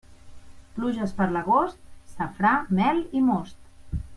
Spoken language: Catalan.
Pluges per l'agost: safrà, mel i most.